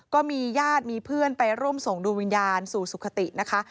ก็มีญาติมีเพื่อนไปร่วมส่งดวงวิญญาณสู่สุขตินะคะ